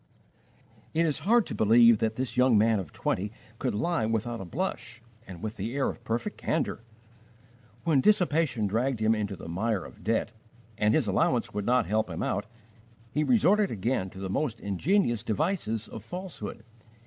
It is hard to believe that this young man of twenty could lie without a blush and with the air of perfect candor. When dissipation dragged him into the mire of debt, and his allowance would not help him out, he resorted again to the most ingenious devices of falsehood.